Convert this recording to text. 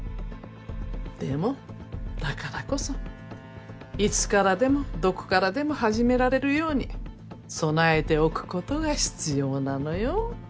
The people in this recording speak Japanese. でもだからこそいつからでもどこからでも始められるように備えておくことが必要なのよ。